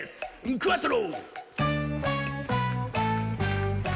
クアトロ！」